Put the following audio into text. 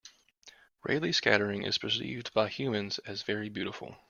Raleigh scattering is perceived by humans as very beautiful.